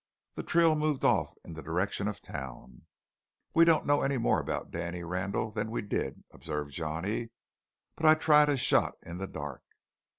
The trio moved off in the direction of town. "We don't know any more about Danny Randall than we did," observed Johnny, "but I tried a shot in the dark."